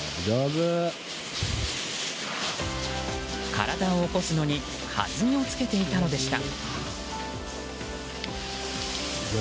体を起こすのにはずみをつけていたのでした。